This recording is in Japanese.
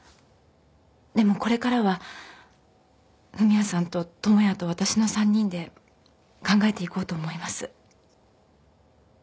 でもこれからは文也さんと智也とわたしの３人で考えていこうと思います。